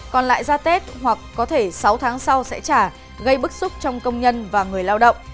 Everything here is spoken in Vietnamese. còn lại ra tết hoặc có thể sáu tháng sau sẽ trả gây bức xúc trong công nhân và người lao động